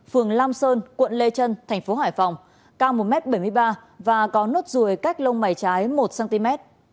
phường lam sơn quận lê trân tp hải phòng cao một m bảy mươi ba và có nốt rùi cách lông mầy trái một cm